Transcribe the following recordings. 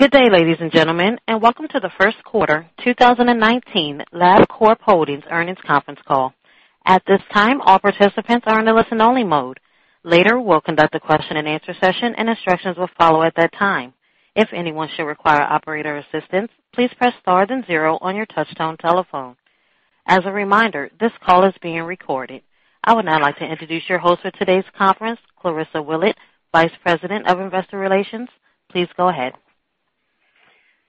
Good day, ladies and gentlemen, and welcome to the first quarter 2019 Labcorp Holdings earnings conference call. At this time, all participants are in a listen-only mode. Later, we'll conduct a question and answer session and instructions will follow at that time. If anyone should require operator assistance, please press star then zero on your touch-tone telephone. As a reminder, this call is being recorded. I would now like to introduce your host for today's conference, Clarissa Willett, Vice President of Investor Relations. Please go ahead.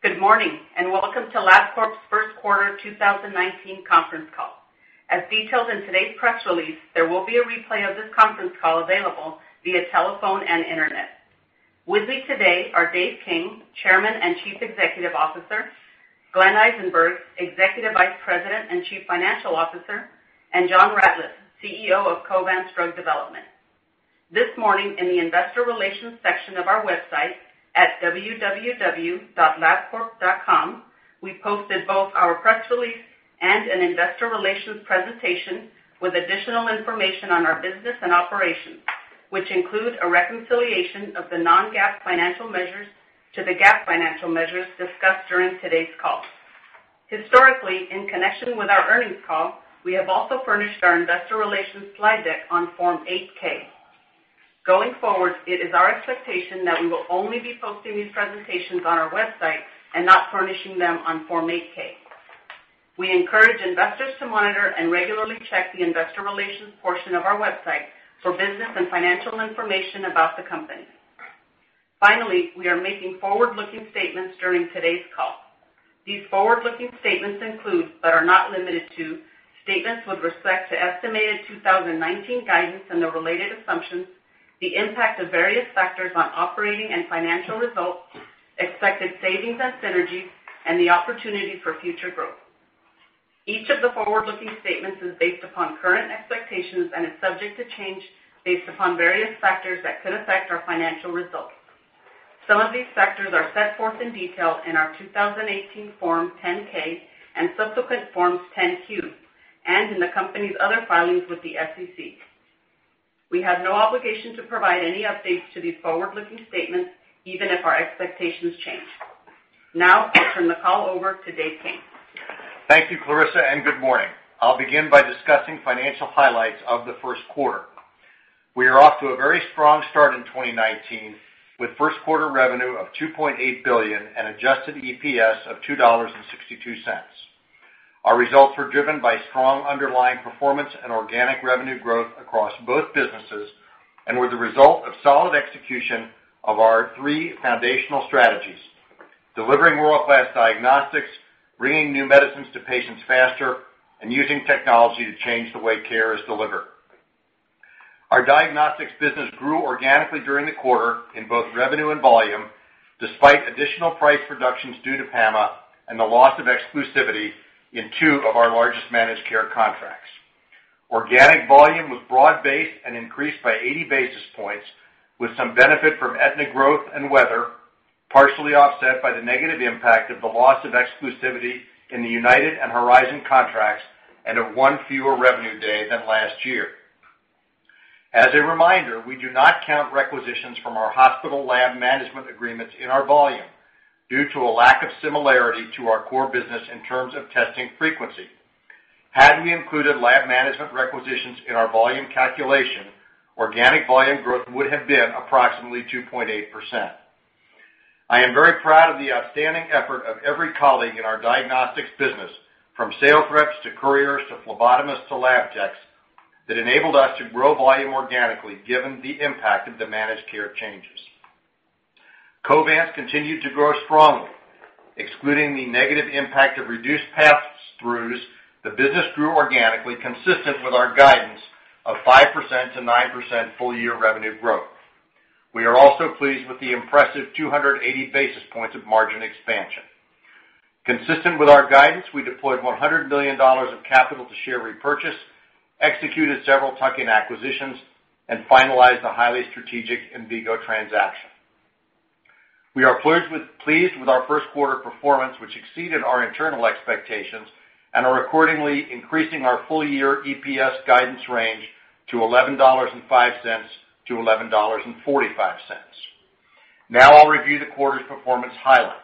Good morning, and welcome to Labcorp's first quarter 2019 conference call. As detailed in today's press release, there will be a replay of this conference call available via telephone and internet. With me today are Dave King, Chairman and Chief Executive Officer, Glenn Eisenberg, Executive Vice President and Chief Financial Officer, and John Ratliff, CEO of Covance Drug Development. This morning, in the investor relations section of our website at www.labcorp.com, we posted both our press release and an investor relations presentation with additional information on our business and operations, which include a reconciliation of the non-GAAP financial measures to the GAAP financial measures discussed during today's call. Historically, in connection with our earnings call, we have also furnished our investor relations slide deck on Form 8-K. Going forward, it is our expectation that we will only be posting these presentations on our website and not furnishing them on Form 8-K. We encourage investors to monitor and regularly check the investor relations portion of our website for business and financial information about the company. Finally, we are making forward-looking statements during today's call. These forward-looking statements include, but are not limited to, statements with respect to estimated 2019 guidance and the related assumptions, the impact of various factors on operating and financial results, expected savings and synergies, and the opportunity for future growth. Each of the forward-looking statements is based upon current expectations and is subject to change based upon various factors that could affect our financial results. Some of these factors are set forth in detail in our 2018 Form 10-K and subsequent Form 10-Q, and in the company's other filings with the SEC. We have no obligation to provide any updates to these forward-looking statements, even if our expectations change. Now I'll turn the call over to Dave King. Thank you, Clarissa, and good morning. I'll begin by discussing financial highlights of the first quarter. We are off to a very strong start in 2019, with first quarter revenue of $2.8 billion and adjusted EPS of $2.62. Our results were driven by strong underlying performance and organic revenue growth across both businesses and were the result of solid execution of our three foundational strategies: delivering world-class diagnostics, bringing new medicines to patients faster, and using technology to change the way care is delivered. Our diagnostics business grew organically during the quarter in both revenue and volume, despite additional price reductions due to PAMA and the loss of exclusivity in two of our largest managed care contracts. Organic volume was broad-based and increased by 80 basis points, with some benefit from Aetna growth and weather, partially offset by the negative impact of the loss of exclusivity in the United and Horizon contracts and of one fewer revenue day than last year. As a reminder, we do not count requisitions from our hospital lab management agreements in our volume due to a lack of similarity to our core business in terms of testing frequency. Had we included lab management requisitions in our volume calculation, organic volume growth would have been approximately 2.8%. I am very proud of the outstanding effort of every colleague in our diagnostics business, from sales reps to couriers to phlebotomists to lab techs, that enabled us to grow volume organically given the impact of the managed care changes. Covance continued to grow strongly. Excluding the negative impact of reduced pass-throughs, the business grew organically, consistent with our guidance of 5%-9% full-year revenue growth. We are also pleased with the impressive 280 basis points of margin expansion. Consistent with our guidance, we deployed $100 million of capital to share repurchase, executed several tuck-in acquisitions, and finalized the highly strategic Envigo transaction. We are pleased with our first quarter performance, which exceeded our internal expectations, and are accordingly increasing our full-year EPS guidance range to $11.05-$11.45. Now I'll review the quarter's performance highlights.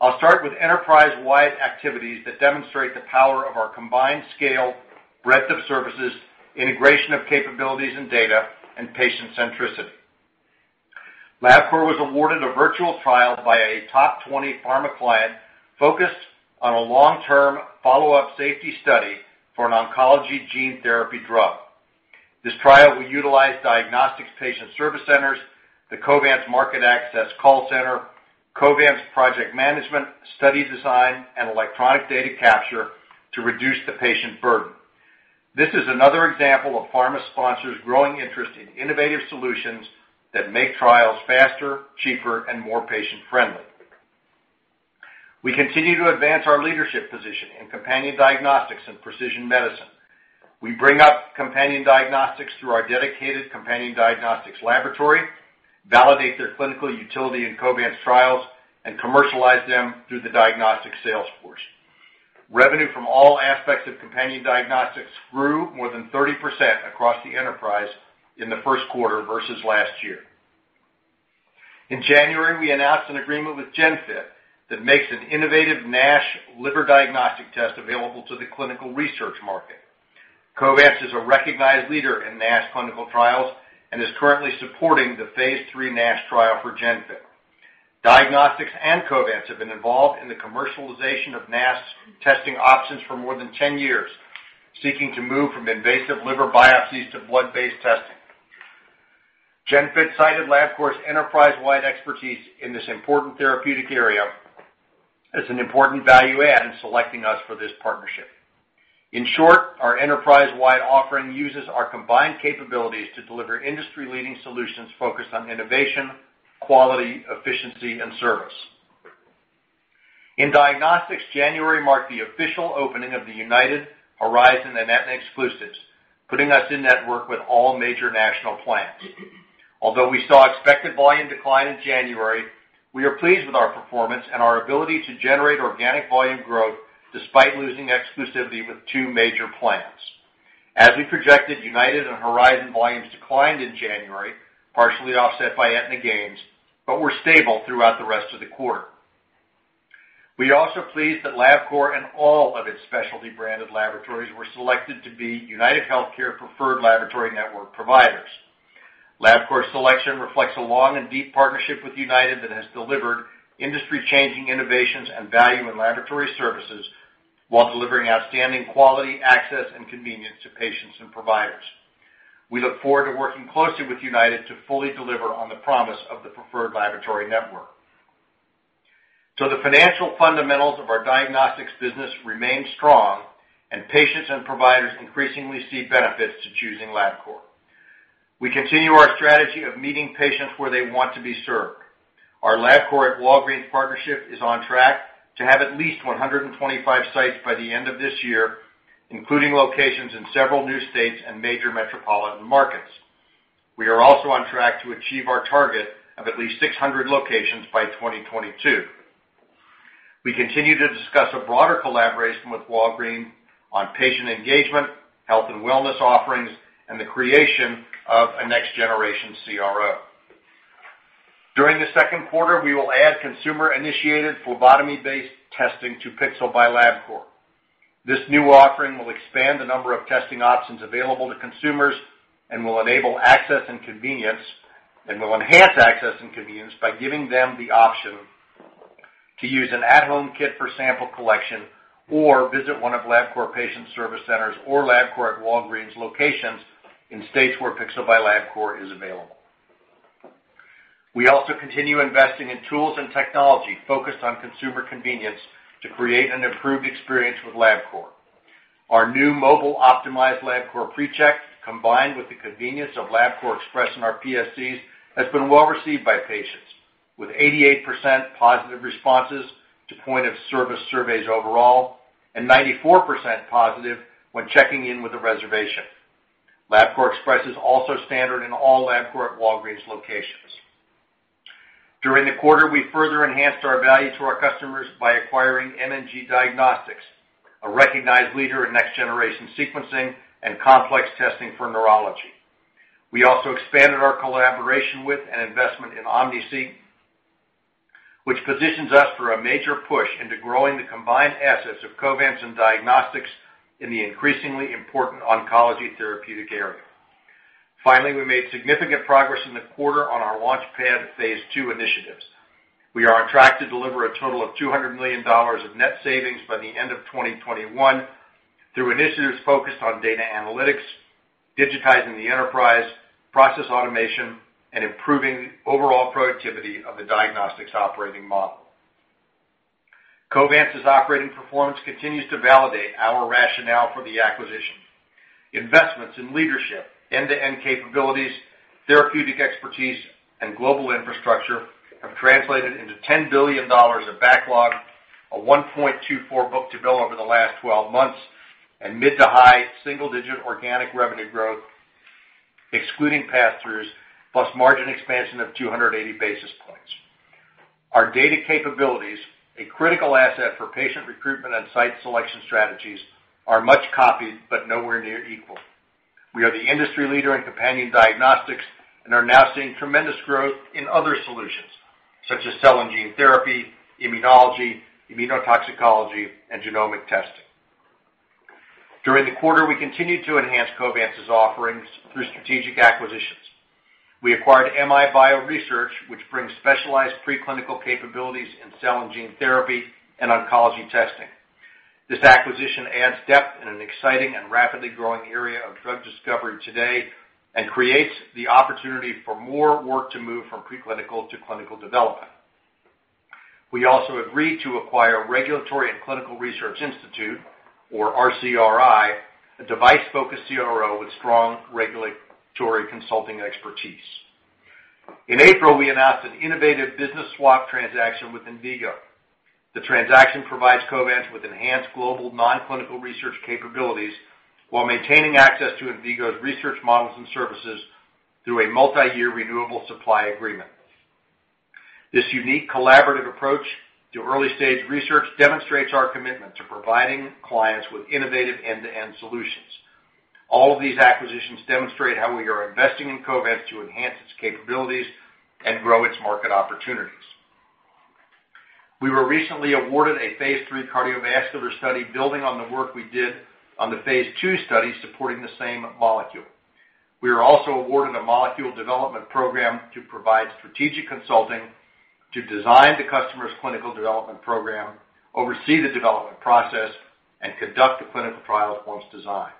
I'll start with enterprise-wide activities that demonstrate the power of our combined scale, breadth of services, integration of capabilities and data, and patient centricity. Labcorp was awarded a virtual trial by a top 20 pharma client focused on a long-term follow-up safety study for an oncology gene therapy drug. This trial will utilize diagnostics Patient Service Centers, the Covance market access call center, Covance project management, study design, and electronic data capture to reduce the patient burden. This is another example of pharma sponsors' growing interest in innovative solutions that make trials faster, cheaper, and more patient-friendly. We continue to advance our leadership position in companion diagnostics and precision medicine. We bring up companion diagnostics through our dedicated companion diagnostics laboratory, validate their clinical utility in Covance trials, and commercialize them through the diagnostics sales force. Revenue from all aspects of companion diagnostics grew more than 30% across the enterprise in the first quarter versus last year. In January, we announced an agreement with GENFIT that makes an innovative NASH liver diagnostic test available to the clinical research market. Covance is a recognized leader in NASH clinical trials and is currently supporting the phase III NASH trial for GENFIT. Diagnostics and Covance have been involved in the commercialization of NASH testing options for more than 10 years, seeking to move from invasive liver biopsies to blood-based testing. GENFIT cited Labcorp's enterprise-wide expertise in this important therapeutic area as an important value-add in selecting us for this partnership. In short, our enterprise-wide offering uses our combined capabilities to deliver industry-leading solutions focused on innovation, quality, efficiency, and service. In Diagnostics, January marked the official opening of the United, Horizon, and Aetna exclusives, putting us in network with all major national plans. Although we saw expected volume decline in January, we are pleased with our performance and our ability to generate organic volume growth despite losing exclusivity with two major plans. As we projected, United and Horizon volumes declined in January, partially offset by Aetna gains, but were stable throughout the rest of the quarter. We are also pleased that Labcorp and all of its specialty branded laboratories were selected to be UnitedHealthcare Preferred Lab Network providers. Labcorp's selection reflects a long and deep partnership with United that has delivered industry-changing innovations and value in laboratory services while delivering outstanding quality, access, and convenience to patients and providers. We look forward to working closely with United to fully deliver on the promise of the Preferred Lab Network. The financial fundamentals of our Diagnostics business remain strong, and patients and providers increasingly see benefits to choosing Labcorp. We continue our strategy of meeting patients where they want to be served. Our Labcorp at Walgreens partnership is on track to have at least 125 sites by the end of this year, including locations in several new states and major metropolitan markets. We are also on track to achieve our target of at least 600 locations by 2022. We continue to discuss a broader collaboration with Walgreens on patient engagement, health and wellness offerings, and the creation of a next-generation CRO. During the second quarter, we will add consumer-initiated phlebotomy-based testing to Pixel by Labcorp. This new offering will expand the number of testing options available to consumers and will enable access and convenience, and will enhance access and convenience by giving them the option to use an at-home kit for sample collection or visit one of Labcorp Patient Service Centers or Labcorp at Walgreens locations in states where Pixel by Labcorp is available. We also continue investing in tools and technology focused on consumer convenience to create an improved experience with Labcorp. Our new mobile-optimized Labcorp PreCheck, combined with the convenience of Labcorp Express in our PSCs, has been well-received by patients, with 88% positive responses to point-of-service surveys overall and 94% positive when checking in with a reservation. Labcorp Express is also standard in all Labcorp at Walgreens locations. During the quarter, we further enhanced our value to our customers by acquiring MMG Diagnostics, a recognized leader in next-generation sequencing and complex testing for neurology. We also expanded our collaboration with and investment in OmniSeq, which positions us for a major push into growing the combined assets of Covance and Diagnostics in the increasingly important oncology therapeutic area. We made significant progress in the quarter on our LaunchPad Phase Two initiatives. We are on track to deliver a total of $200 million of net savings by the end of 2021 through initiatives focused on data analytics, digitizing the enterprise, process automation, and improving overall productivity of the diagnostics operating model. Covance's operating performance continues to validate our rationale for the acquisition. Investments in leadership, end-to-end capabilities, therapeutic expertise, and global infrastructure have translated into $10 billion of backlog, a 1.24 book-to-bill over the last 12 months, and mid to high single-digit organic revenue growth, excluding passthroughs, plus margin expansion of 280 basis points. Our data capabilities, a critical asset for patient recruitment and site selection strategies, are much copied but nowhere near equal. We are the industry leader in companion diagnostics and are now seeing tremendous growth in other solutions, such as cell and gene therapy, immunology, immunotoxicology, and genomic testing. During the quarter, we continued to enhance Covance's offerings through strategic acquisitions. We acquired MI Bioresearch, which brings specialized preclinical capabilities in cell and gene therapy and oncology testing. This acquisition adds depth in an exciting and rapidly growing area of drug discovery today and creates the opportunity for more work to move from preclinical to clinical development. We also agreed to acquire Regulatory and Clinical Research Institute, or RCRI, a device-focused CRO with strong regulatory consulting expertise. In April, we announced an innovative business swap transaction with Envigo. The transaction provides Covance with enhanced global nonclinical research capabilities while maintaining access to Envigo's research models and services through a multi-year renewable supply agreement. This unique collaborative approach to early-stage research demonstrates our commitment to providing clients with innovative end-to-end solutions. All of these acquisitions demonstrate how we are investing in Covance to enhance its capabilities and grow its market opportunities. We were recently awarded a phase III cardiovascular study building on the work we did on the phase II study supporting the same molecule. We were also awarded a molecule development program to provide strategic consulting to design the customer's clinical development program, oversee the development process, and conduct the clinical trials once designed.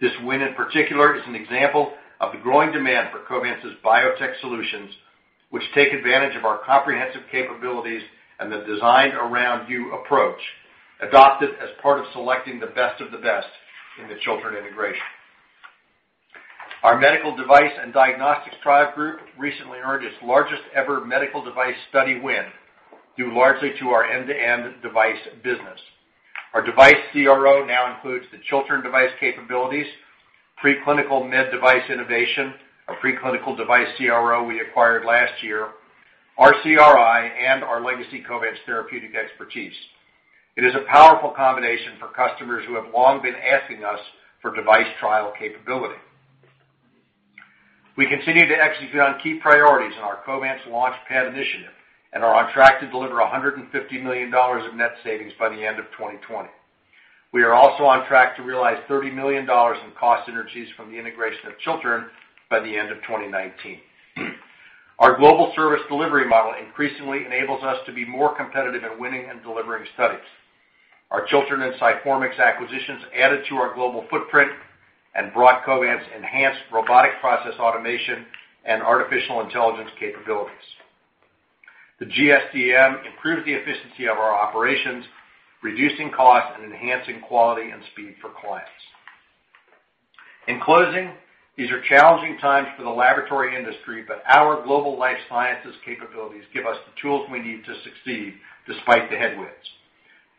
This win in particular is an example of the growing demand for Covance's biotech solutions, which take advantage of our comprehensive capabilities and the design-around-you approach adopted as part of selecting the best of the best in the Chiltern integration. Our medical device and diagnostics trial group recently earned its largest-ever medical device study win, due largely to our end-to-end device business. Our device CRO now includes the Chiltern device capabilities, preclinical medical device innovation, a preclinical device CRO we acquired last year, RCRI, and our legacy Covance therapeutic expertise. It is a powerful combination for customers who have long been asking us for device trial capability. We continue to execute on key priorities in our Covance LaunchPad initiative and are on track to deliver $150 million of net savings by the end of 2020. We are also on track to realize $30 million in cost synergies from the integration of Chiltern by the end of 2019. Our global service delivery model increasingly enables us to be more competitive in winning and delivering studies. Our Chiltern and Sciformix acquisitions added to our global footprint and brought Covance enhanced robotic process automation and artificial intelligence capabilities. The GSDM improves the efficiency of our operations, reducing costs, and enhancing quality and speed for clients. In closing, these are challenging times for the laboratory industry, but our global life sciences capabilities give us the tools we need to succeed despite the headwinds.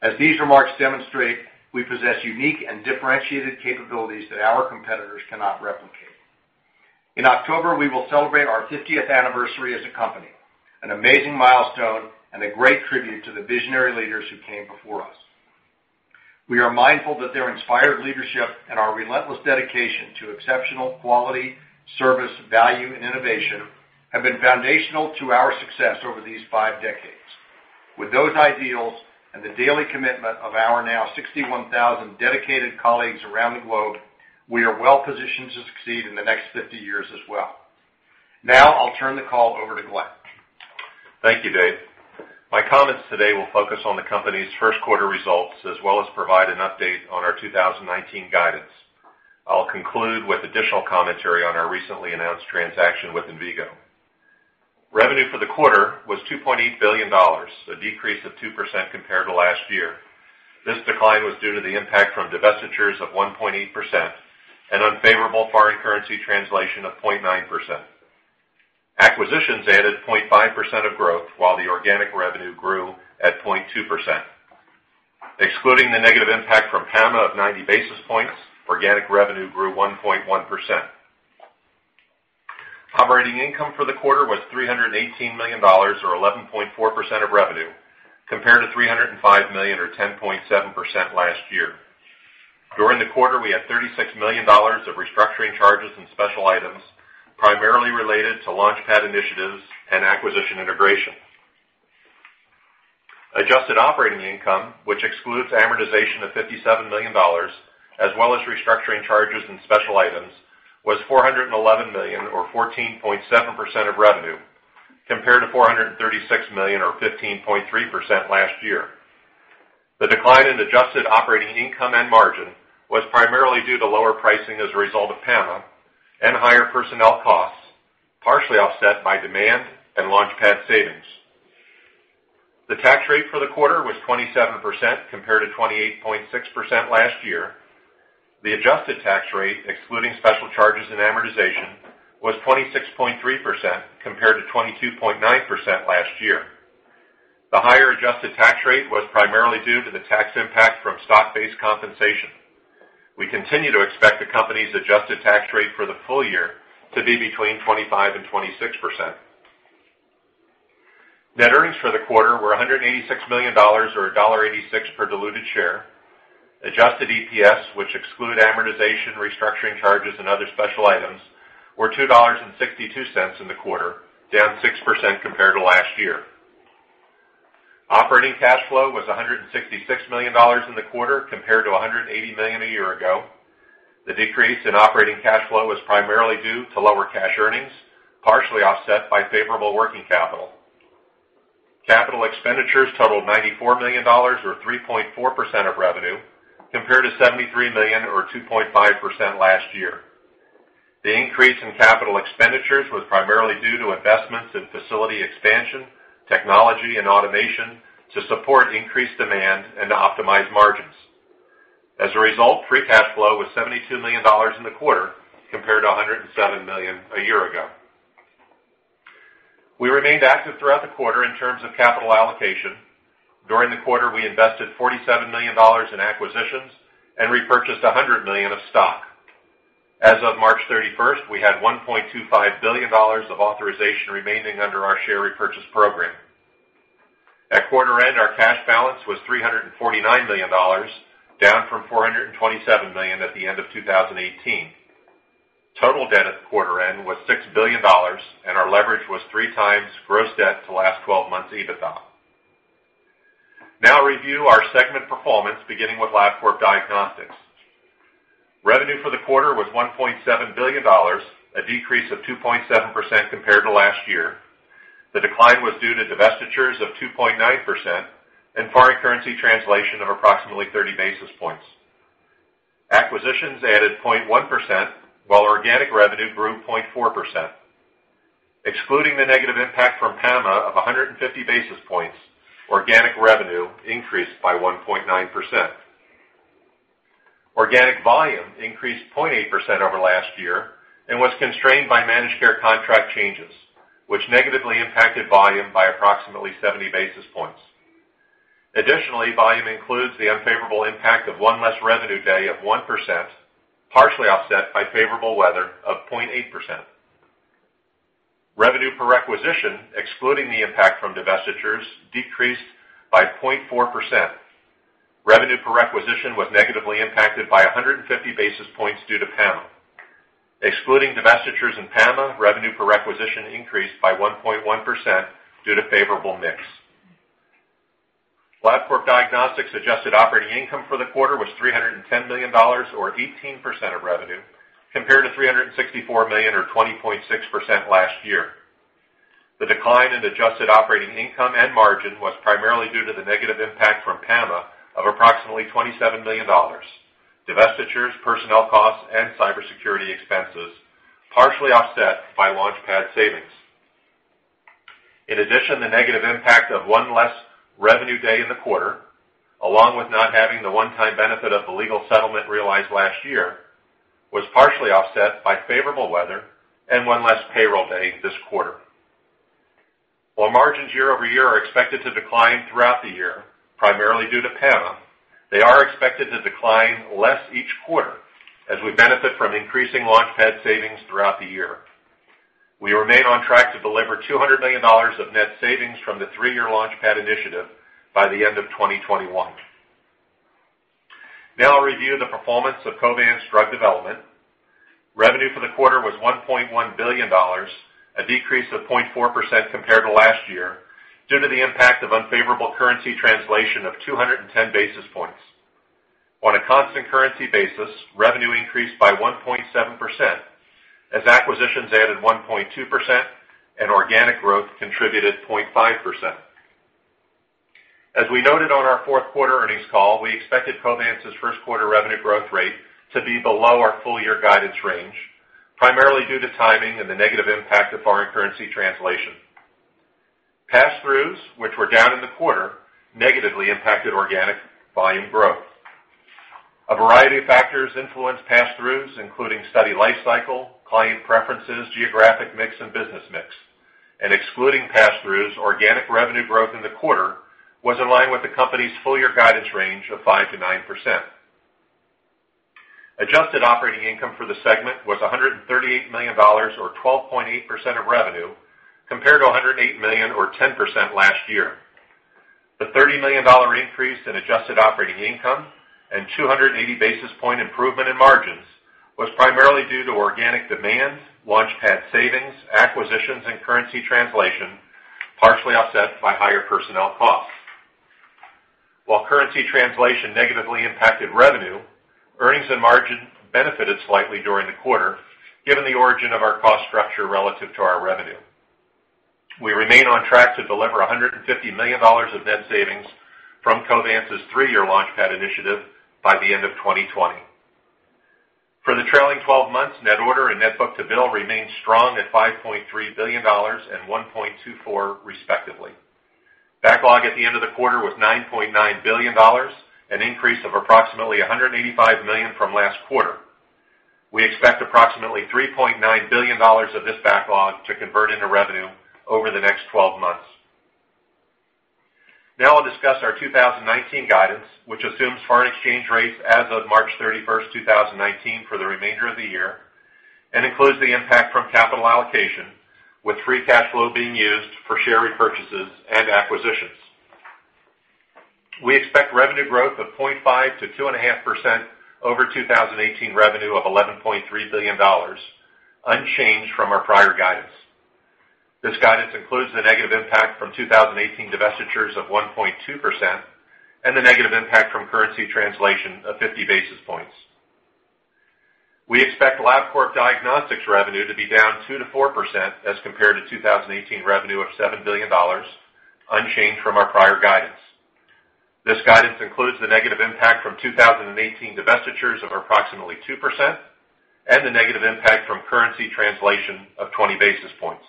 As these remarks demonstrate, we possess unique and differentiated capabilities that our competitors cannot replicate. In October, we will celebrate our 50th anniversary as a company, an amazing milestone and a great tribute to the visionary leaders who came before us. We are mindful that their inspired leadership and our relentless dedication to exceptional quality, service, value, and innovation have been foundational to our success over these five decades. With those ideals and the daily commitment of our now 61,000 dedicated colleagues around the globe, we are well-positioned to succeed in the next 50 years as well. Now, I'll turn the call over to Glenn. Thank you, Dave. My comments today will focus on the company's first quarter results as well as provide an update on our 2019 guidance. I'll conclude with additional commentary on our recently announced transaction with Envigo. Revenue for the quarter was $2.8 billion, a decrease of 2% compared to last year. This decline was due to the impact from divestitures of 1.8% and unfavorable foreign currency translation of 0.9%. Acquisitions added 0.5% of growth while the organic revenue grew at 0.2%. Excluding the negative impact from PAMA of 90 basis points, organic revenue grew 1.1%. Operating income for the quarter was $318 million, or 11.4% of revenue, compared to $305 million or 10.7% last year. During the quarter, we had $36 million of restructuring charges and special items, primarily related to LaunchPad initiatives and acquisition integration. Adjusted operating income, which excludes amortization of $57 million, as well as restructuring charges and special items, was $411 million or 14.7% of revenue, compared to $436 million or 15.3% last year. The decline in adjusted operating income and margin was primarily due to lower pricing as a result of PAMA and higher personnel costs, partially offset by demand and LaunchPad savings. The tax rate for the quarter was 27%, compared to 28.6% last year. The adjusted tax rate, excluding special charges and amortization, was 26.3%, compared to 22.9% last year. The higher adjusted tax rate was primarily due to the tax impact from stock-based compensation. We continue to expect the company's adjusted tax rate for the full year to be between 25% and 26%. Net earnings for the quarter were $186 million, or $1.86 per diluted share. Adjusted EPS, which exclude amortization, restructuring charges, and other special items, were $2.62 in the quarter, down 6% compared to last year. Operating cash flow was $166 million in the quarter compared to $180 million a year ago. The decrease in operating cash flow was primarily due to lower cash earnings, partially offset by favorable working capital. Capital expenditures totaled $94 million, or 3.4% of revenue, compared to $73 million or 2.5% last year. The increase in capital expenditures was primarily due to investments in facility expansion, technology, and automation to support increased demand and to optimize margins. As a result, free cash flow was $72 million in the quarter compared to $107 million a year ago. We remained active throughout the quarter in terms of capital allocation. During the quarter, we invested $47 million in acquisitions and repurchased $100 million of stock. As of March 31st, we had $1.25 billion of authorization remaining under our share repurchase program. At quarter end, our cash balance was $349 million, down from $427 million at the end of 2018. Total debt at quarter end was $6 billion, and our leverage was three times gross debt to last 12 months EBITDA. I'll review our segment performance, beginning with Labcorp Diagnostics. Revenue for the quarter was $1.7 billion, a decrease of 2.7% compared to last year. The decline was due to divestitures of 2.9% and foreign currency translation of approximately 30 basis points. Acquisitions added 0.1%, while organic revenue grew 0.4%. Excluding the negative impact from PAMA of 150 basis points, organic revenue increased by 1.9%. Organic volume increased 0.8% over last year and was constrained by managed care contract changes, which negatively impacted volume by approximately 70 basis points. Additionally, volume includes the unfavorable impact of one less revenue day of 1%, partially offset by favorable weather of 0.8%. Revenue per requisition, excluding the impact from divestitures, decreased by 0.4%. Revenue per requisition was negatively impacted by 150 basis points due to PAMA. Excluding divestitures in PAMA, revenue per requisition increased by 1.1% due to favorable mix. Labcorp Diagnostics adjusted operating income for the quarter was $310 million or 18% of revenue, compared to $364 million or 20.6% last year. The decline in adjusted operating income and margin was primarily due to the negative impact from PAMA of approximately $27 million, divestitures, personnel costs, and cybersecurity expenses, partially offset by LaunchPad savings. The negative impact of one less revenue day in the quarter, along with not having the one-time benefit of the legal settlement realized last year, was partially offset by favorable weather and one less payroll day this quarter. While margins year-over-year are expected to decline throughout the year, primarily due to PAMA, they are expected to decline less each quarter as we benefit from increasing LaunchPad savings throughout the year. We remain on track to deliver $200 million of net savings from the three-year LaunchPad initiative by the end of 2021. I'll review the performance of Covance Drug Development. Revenue for the quarter was $1.1 billion, a decrease of 0.4% compared to last year, due to the impact of unfavorable currency translation of 210 basis points. On a constant currency basis, revenue increased by 1.7%, as acquisitions added 1.2% and organic growth contributed 0.5%. We noted on our fourth quarter earnings call, we expected Covance's first quarter revenue growth rate to be below our full year guidance range, primarily due to timing and the negative impact of foreign currency translation. Pass-throughs, which were down in the quarter, negatively impacted organic volume growth. A variety of factors influence pass-throughs, including study life cycle, client preferences, geographic mix, and business mix. Excluding pass-throughs, organic revenue growth in the quarter was in line with the company's full year guidance range of 5%-9%. Adjusted operating income for the segment was $138 million, or 12.8% of revenue, compared to $108 million or 10% last year. The $30 million increase in adjusted operating income and 280 basis point improvement in margins was primarily due to organic demand, LaunchPad savings, acquisitions, and currency translation, partially offset by higher personnel costs. While currency translation negatively impacted revenue, earnings and margin benefited slightly during the quarter, given the origin of our cost structure relative to our revenue. We remain on track to deliver $150 million of net savings from Covance's three-year LaunchPad initiative by the end of 2020. For the trailing 12 months, net order and net book-to-bill remained strong at $5.3 billion and $1.24, respectively. Backlog at the end of the quarter was $9.9 billion, an increase of approximately $185 million from last quarter. We expect approximately $3.9 billion of this backlog to convert into revenue over the next 12 months. I'll discuss our 2019 guidance, which assumes foreign exchange rates as of March 31st, 2019, for the remainder of the year, and includes the impact from capital allocation, with free cash flow being used for share repurchases and acquisitions. We expect revenue growth of 0.5% to 2.5% over 2018 revenue of $11.3 billion, unchanged from our prior guidance. This guidance includes the negative impact from 2018 divestitures of 1.2% and the negative impact from currency translation of 50 basis points. We expect Labcorp Diagnostics revenue to be down 2% to 4% as compared to 2018 revenue of $7 billion, unchanged from our prior guidance. This guidance includes the negative impact from 2018 divestitures of approximately 2% and the negative impact from currency translation of 20 basis points.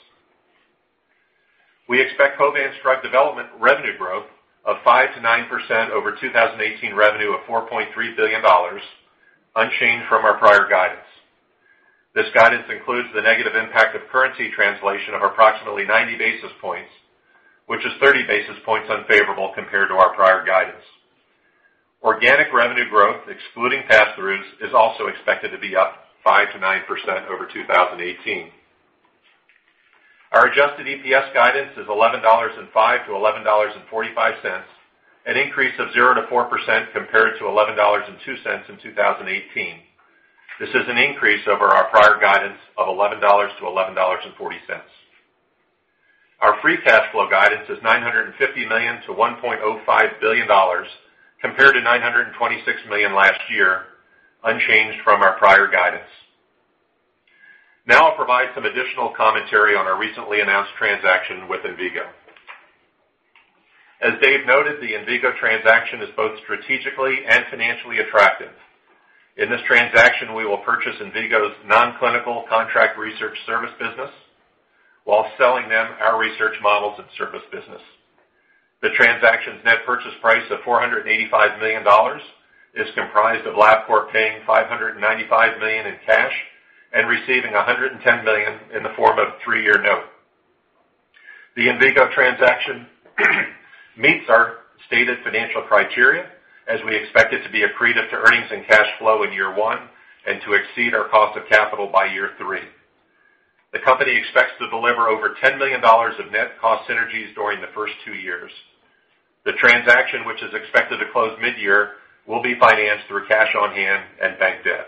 We expect Covance Drug Development revenue growth of 5% to 9% over 2018 revenue of $4.3 billion, unchanged from our prior guidance. This guidance includes the negative impact of currency translation of approximately 90 basis points, which is 30 basis points unfavorable compared to our prior guidance. Organic revenue growth excluding pass-throughs is also expected to be up 5% to 9% over 2018. Our adjusted EPS guidance is $11.05 to $11.45, an increase of 0% to 4% compared to $11.02 in 2018. This is an increase over our prior guidance of $11 to $11.40. Our free cash flow guidance is $950 million to $1.05 billion, compared to $926 million last year, unchanged from our prior guidance. I'll provide some additional commentary on our recently announced transaction with Envigo. As Dave noted, the Envigo transaction is both strategically and financially attractive. In this transaction, we will purchase Envigo's non-clinical contract research service business while selling them our research models and service business. The transaction's net purchase price of $485 million is comprised of Labcorp paying $595 million in cash and receiving $110 million in the form of a three-year note. The Envigo transaction meets our stated financial criteria as we expect it to be accretive to earnings and cash flow in year one and to exceed our cost of capital by year three. The company expects to deliver over $10 million of net cost synergies during the first two years. The transaction, which is expected to close mid-year, will be financed through cash on hand and bank debt.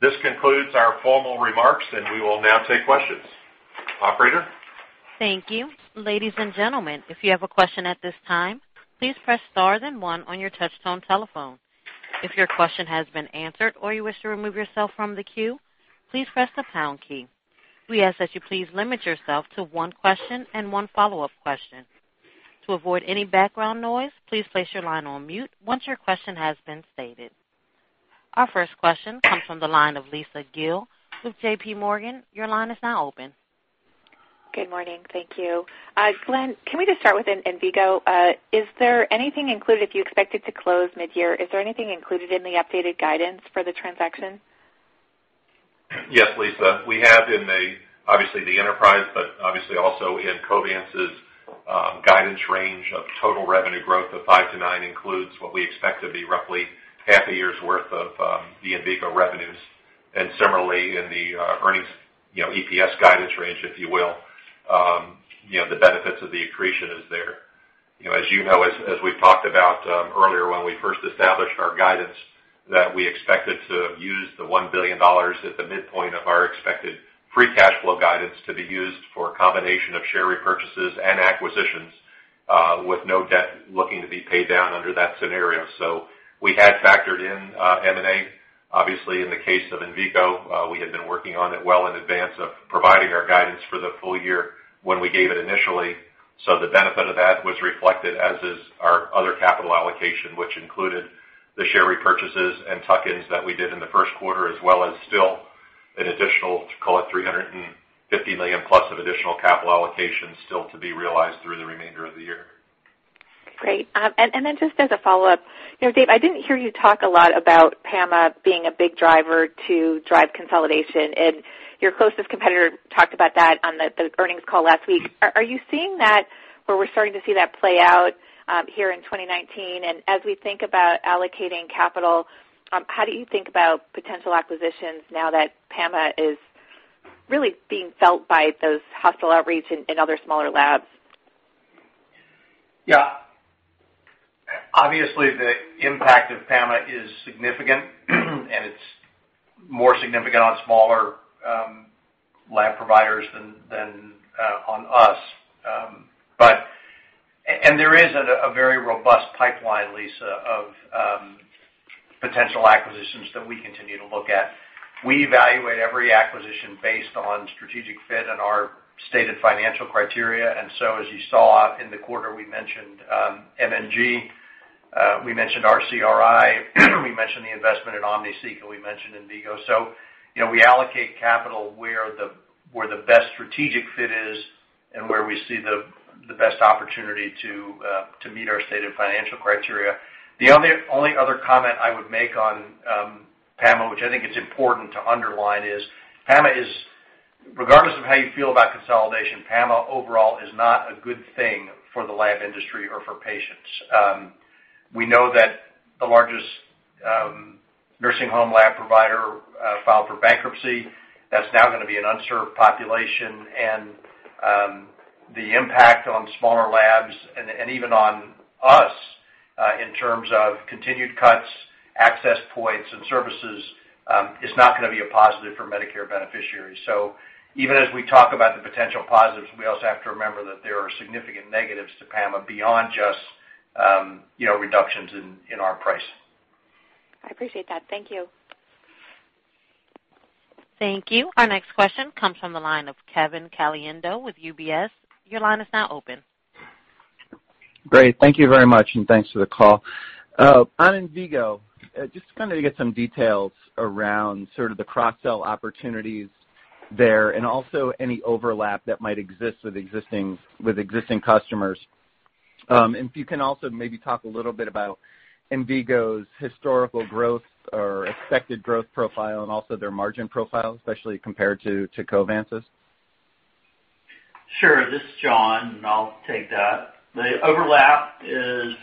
This concludes our formal remarks. We will now take questions. Operator? Thank you. Ladies and gentlemen, if you have a question at this time, please press star then one on your touch-tone telephone. If your question has been answered or you wish to remove yourself from the queue, please press the pound key. We ask that you please limit yourself to one question and one follow-up question. To avoid any background noise, please place your line on mute once your question has been stated. Our first question comes from the line of Lisa Gill with JPMorgan. Your line is now open. Good morning. Thank you. Glenn, can we just start with Envigo? If you expect it to close mid-year, is there anything included in the updated guidance for the transaction? Yes, Lisa. We have in, obviously, the enterprise, but obviously also in Covance's guidance range of total revenue growth of 5%-9% includes what we expect to be roughly half a year's worth of the Envigo revenues. Similarly, in the earnings EPS guidance range, if you will, the benefits of the accretion is there. As you know, as we've talked about earlier when we first established our guidance, that we expected to use the $1 billion at the midpoint of our expected free cash flow guidance to be used for a combination of share repurchases and acquisitions, with no debt looking to be paid down under that scenario. We had factored in M&A. In the case of Envigo, we had been working on it well in advance of providing our guidance for the full year when we gave it initially. The benefit of that was reflected, as is our other capital allocation, which included the share repurchases and tuck-ins that we did in the first quarter, as well as still an additional, call it, $350 million plus of additional capital allocations still to be realized through the remainder of the year. Great. Just as a follow-up, Dave, I didn't hear you talk a lot about PAMA being a big driver to drive consolidation, and your closest competitor talked about that on the earnings call last week. Are you seeing that, where we're starting to see that play out here in 2019? As we think about allocating capital, how do you think about potential acquisitions now that PAMA is really being felt by those hospital outreach and other smaller labs? Yeah. Obviously, the impact of PAMA is significant, and it's more significant on smaller lab providers than on us. There is a very robust pipeline, Lisa, of potential acquisitions that we continue to look at. We evaluate every acquisition based on strategic fit and our stated financial criteria. As you saw in the quarter, we mentioned MMG, we mentioned RCRI, we mentioned the investment in OmniSeq, and we mentioned Envigo. We allocate capital where the best strategic fit is and where we see the best opportunity to meet our stated financial criteria. The only other comment I would make on PAMA, which I think it's important to underline, is regardless of how you feel about consolidation, PAMA overall is not a good thing for the lab industry or for patients. We know that the largest nursing home lab provider filed for bankruptcy. That's now going to be an unserved population. The impact on smaller labs and even on us in terms of continued cuts, access points, and services, is not going to be a positive for Medicare beneficiaries. Even as we talk about the potential positives, we also have to remember that there are significant negatives to PAMA beyond just reductions in our price. I appreciate that. Thank you. Thank you. Our next question comes from the line of Kevin Caliendo with UBS. Your line is now open. Great. Thanks for the call. On Envigo, just to get some details around the cross-sell opportunities there. Also any overlap that might exist with existing customers. If you can also maybe talk a little bit about Envigo's historical growth or expected growth profile and also their margin profile, especially compared to Covance's. Sure. This is John. I'll take that. The overlap is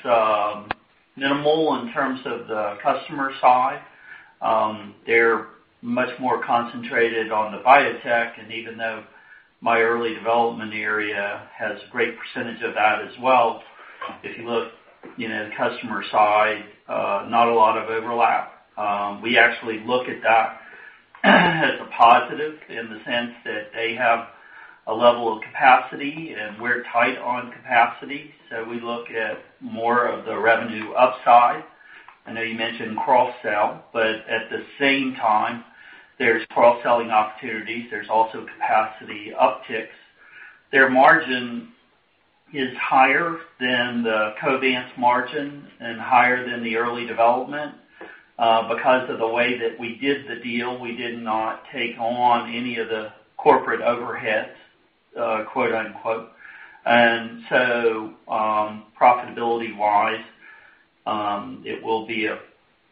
minimal in terms of the customer side. They're much more concentrated on the biotech. Even though my early development area has a great percentage of that as well, if you look, the customer side, not a lot of overlap. We actually look at that as a positive in the sense that they have a level of capacity, and we're tight on capacity. We look at more of the revenue upside. I know you mentioned cross-sell, but at the same time, there's cross-selling opportunities, there's also capacity upticks. Their margin is higher than the Covance margin and higher than the early development. Because of the way that we did the deal, we did not take on any of the corporate overheads, quote unquote. Profitability-wise, it will be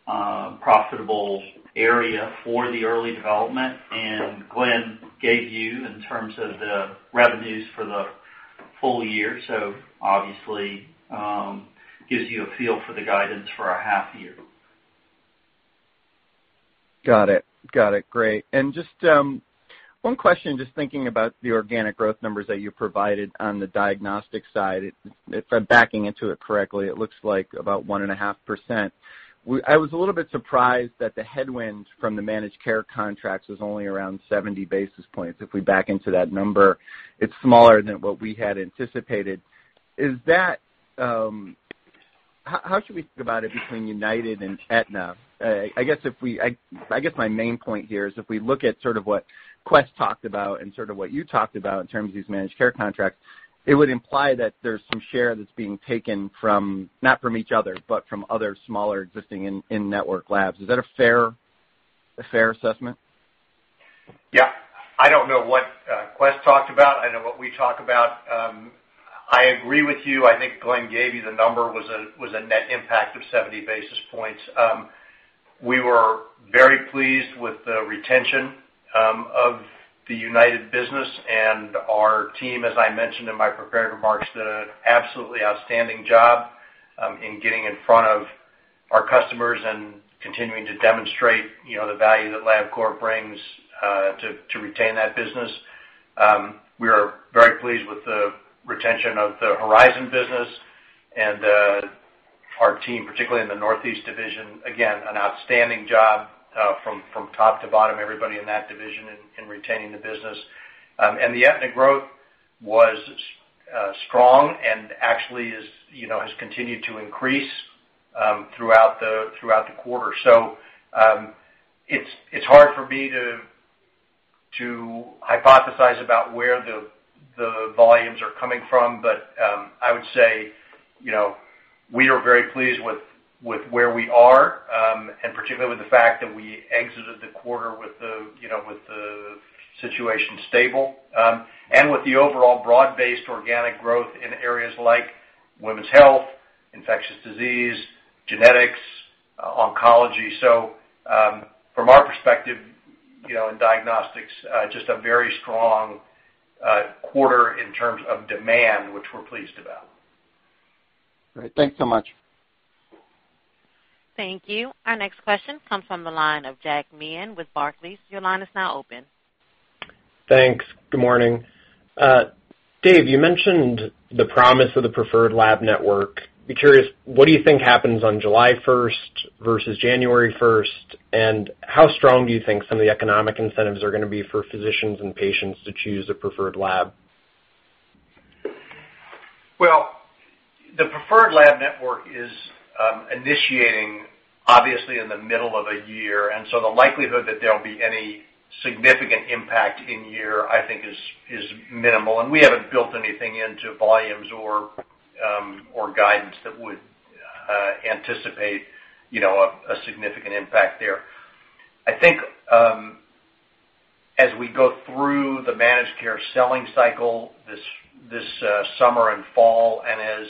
a profitable area for the early development. Glenn gave you in terms of the revenues for the full year. Obviously, gives you a feel for the guidance for a half year. Got it. Great. Just one question, just thinking about the organic growth numbers that you provided on the diagnostic side. If I'm backing into it correctly, it looks like about 1.5%. I was a little bit surprised that the headwind from the managed care contracts was only around 70 basis points. If we back into that number, it's smaller than what we had anticipated. How should we think about it between United and Aetna? I guess my main point here is if we look at sort of what Quest talked about and sort of what you talked about in terms of these managed care contracts, it would imply that there's some share that's being taken, not from each other, but from other smaller existing in-network labs. Is that a fair assessment? Yeah. I don't know what Quest talked about. I know what we talk about. I agree with you. I think Glenn gave you the number, was a net impact of 70 basis points. We were very pleased with the retention of the United business, and our team, as I mentioned in my prepared remarks, did an absolutely outstanding job in getting in front of our customers and continuing to demonstrate the value that Labcorp brings to retain that business. We are very pleased with the retention of the Horizon business and our team, particularly in the Northeast division, again, an outstanding job from top to bottom, everybody in that division in retaining the business. The Aetna growth was strong and actually has continued to increase throughout the quarter. It's hard for me to hypothesize about where the volumes are coming from. I would say, we are very pleased with where we are, and particularly with the fact that we exited the quarter with the situation stable, and with the overall broad-based organic growth in areas like women's health, infectious disease, genetics, oncology. From our perspective, in diagnostics, just a very strong quarter in terms of demand, which we're pleased about. Great. Thanks so much. Thank you. Our next question comes from the line of Jack Meehan with Barclays. Your line is now open. Thanks. Good morning. Dave, you mentioned the promise of the Preferred Lab Network. Be curious, what do you think happens on July 1st versus January 1st? How strong do you think some of the economic incentives are going to be for physicians and patients to choose a Preferred Lab Network? Well, the Preferred Lab Network is initiating, obviously, in the middle of a year. The likelihood that there will be any significant impact in year, I think, is minimal. We haven't built anything into volumes or guidance that would anticipate a significant impact there. I think, as we go through the managed care selling cycle this summer and fall, as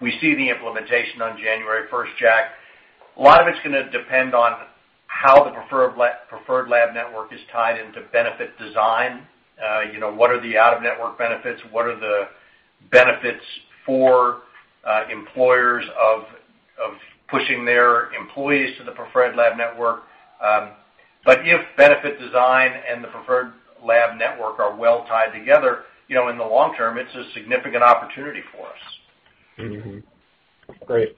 we see the implementation on January 1st, Jack, a lot of it's going to depend on how the Preferred Lab Network is tied into benefit design. What are the out-of-network benefits? What are the benefits for employers of pushing their employees to the Preferred Lab Network? If benefit design and the Preferred Lab Network are well tied together, in the long term, it's a significant opportunity for us. Mm-hmm. Great.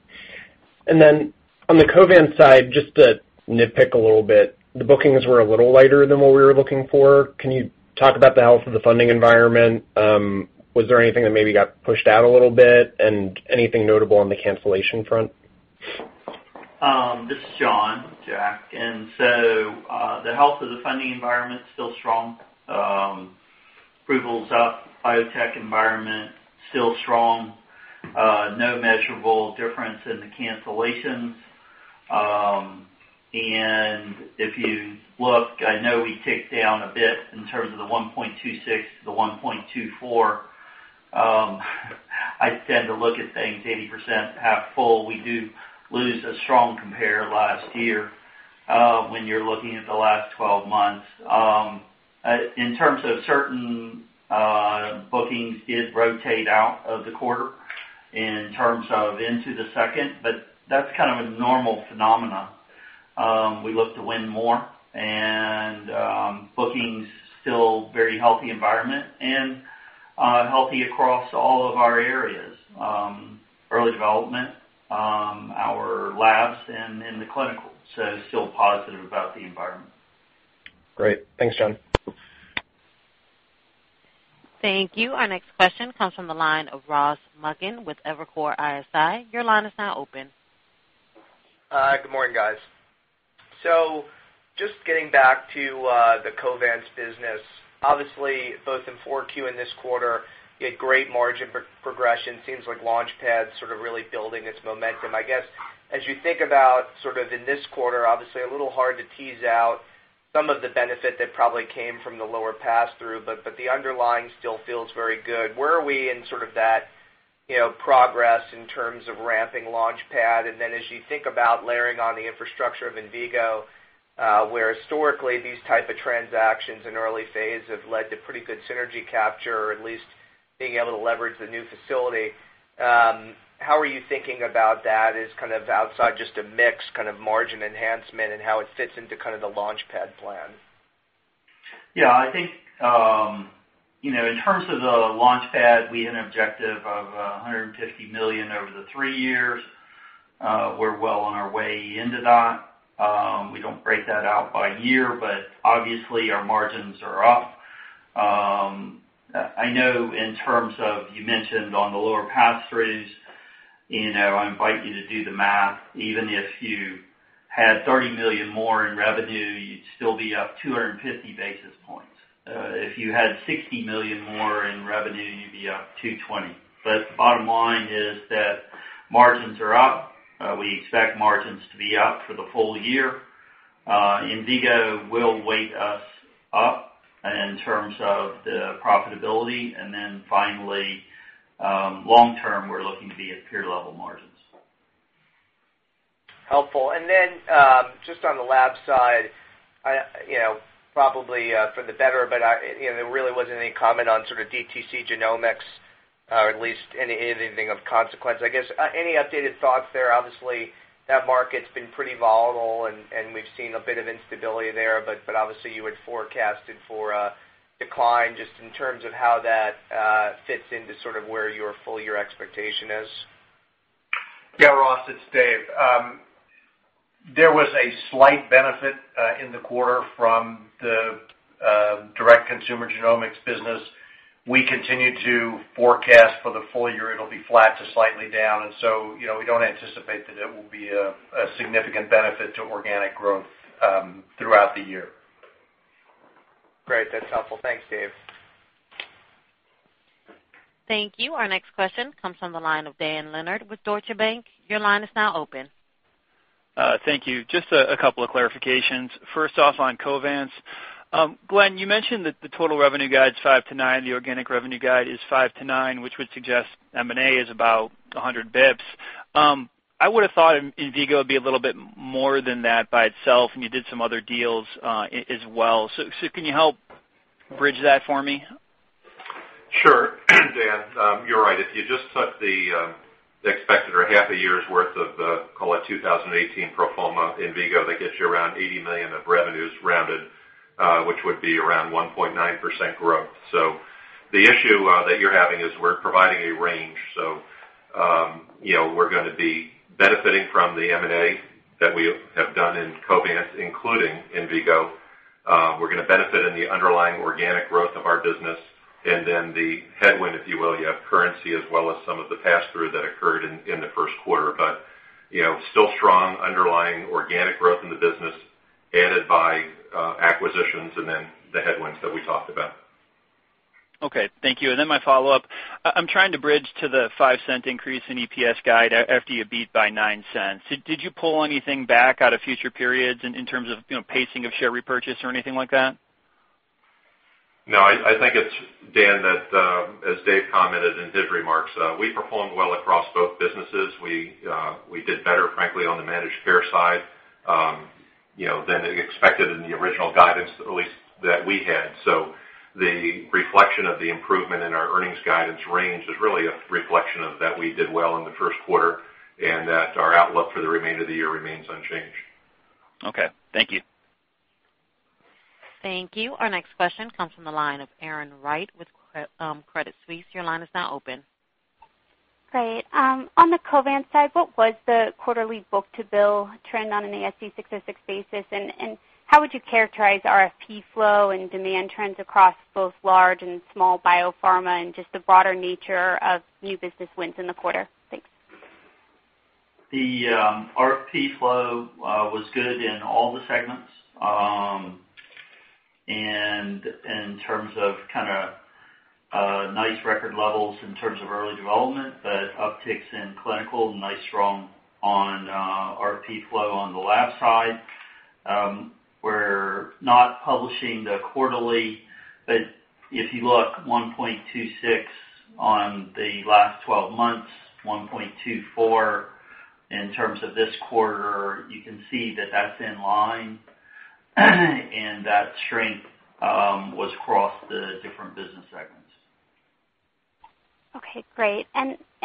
On the Covance side, just to nitpick a little bit, the bookings were a little lighter than what we were looking for. Can you talk about the health of the funding environment? Was there anything that maybe got pushed out a little bit, anything notable on the cancellation front? This is John, Jack. The health of the funding environment's still strong. Approvals up, biotech environment still strong. No measurable difference in the cancellations. If you look, I know we ticked down a bit in terms of the 1.26 to the 1.24. I tend to look at things 80% half full. We do lose a strong compare last year, when you're looking at the last 12 months. In terms of certain bookings did rotate out of the quarter in terms of into the second, but that's kind of a normal phenomenon. We look to win more and bookings still very healthy environment and healthy across all of our areas, early development, our labs and in the clinical. Still positive about the environment. Great. Thanks, John. Thank you. Our next question comes from the line of Ross Muken with Evercore ISI. Your line is now open. Good morning, guys. Just getting back to the Covance business, obviously both in Q4 and this quarter, you had great margin progression. Seems like LaunchPad sort of really building its momentum. I guess, as you think about sort of in this quarter, obviously a little hard to tease out some of the benefit that probably came from the lower pass-through, but the underlying still feels very good. Where are we in sort of that progress in terms of ramping LaunchPad? Then as you think about layering on the infrastructure of Envigo, where historically these type of transactions in early phase have led to pretty good synergy capture or at least being able to leverage the new facility, how are you thinking about that as kind of outside just a mix kind of margin enhancement and how it fits into kind of the LaunchPad plan? Yeah, I think, in terms of the LaunchPad, we had an objective of $150 million over the three years. We're well on our way into that. We don't break that out by year, but obviously our margins are up. I know in terms of, you mentioned on the lower pass-throughs, I invite you to do the math. Even if you had $30 million more in revenue, you'd still be up 250 basis points. If you had $60 million more in revenue, you'd be up 220 basis points. The bottom line is that margins are up. We expect margins to be up for the full year. Envigo will weight us up in terms of the profitability. Finally, long-term, we're looking to be at peer-level margins. Helpful. Then, just on the lab side, probably for the better, there really wasn't any comment on sort of DTC genomics, or at least anything of consequence, I guess. Any updated thoughts there? Obviously, that market's been pretty volatile, and we've seen a bit of instability there, obviously you had forecasted for a decline just in terms of how that fits into sort of where your full year expectation is. Yeah, Ross, it's Dave. There was a slight benefit in the quarter from the direct consumer genomics business. We continue to forecast for the full year it'll be flat to slightly down, we don't anticipate that it will be a significant benefit to organic growth throughout the year. Great. That's helpful. Thanks, Dave. Thank you. Our next question comes from the line of Dan Leonard with Deutsche Bank. Your line is now open. Thank you. Just a couple of clarifications. First off, on Covance. Glenn, you mentioned that the total revenue guide's five to nine, the organic revenue guide is five to nine, which would suggest M&A is about 100 bps. I would've thought Envigo would be a little bit more than that by itself, and you did some other deals as well. Can you help bridge that for me? Sure. Dan, you're right. If you just took the expected or half a year's worth of the, call it 2018 pro forma Envigo, that gets you around $80 million of revenues rounded, which would be around 1.9% growth. The issue that you're having is we're providing a range. We're gonna be benefiting from the M&A that we have done in Covance, including Envigo. We're gonna benefit in the underlying organic growth of our business. The headwind, if you will, you have currency as well as some of the pass-through that occurred in the first quarter. Still strong underlying organic growth in the business added by acquisitions and then the headwinds that we talked about. Okay. Thank you. My follow-up. I'm trying to bridge to the $0.05 increase in EPS guide after you beat by $0.09. Did you pull anything back out of future periods in terms of pacing of share repurchase or anything like that? I think it's, Dan, that as Dave commented in his remarks, we performed well across both businesses. We did better, frankly, on the managed care side than expected in the original guidance, at least that we had. The reflection of the improvement in our earnings guidance range is really a reflection of that we did well in the first quarter, and that our outlook for the remainder of the year remains unchanged. Okay. Thank you. Thank you. Our next question comes from the line of Erin Wright with Credit Suisse. Your line is now open. Great. On the Covance side, what was the quarterly book-to-bill trend on an ASC 606 basis? How would you characterize RFP flow and demand trends across both large and small biopharma and just the broader nature of new business wins in the quarter? Thanks. The RFP flow was good in all the segments. In terms of kind of nice record levels in terms of early development, upticks in clinical, nice, strong on RFP flow on the lab side. We're not publishing the quarterly, but if you look 1.26 on the last 12 months, 1.24 in terms of this quarter, you can see that that's in line. That strength was across the different business segments. Okay, great.